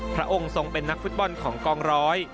พระองค์ทรงเป็นนักฟุตบอลของกองร้อย